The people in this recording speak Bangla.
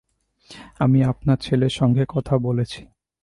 আমি আপনার ছেলের সঙ্গে কথা বলেছি।